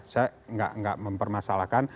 saya nggak mempermasalahkan